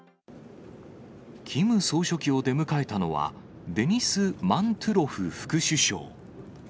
キム総書記を出迎えたのは、デニス・マントゥロフ副首相。